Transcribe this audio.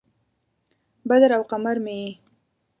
بدر او قمر مې یې